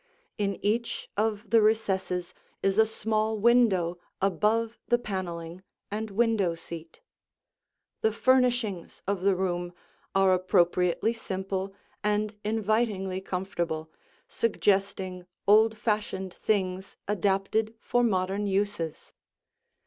In each of the recesses is a small window above the paneling and window seat. The furnishings of the room are appropriately simple and invitingly comfortable, suggesting old fashioned things adapted for modern uses.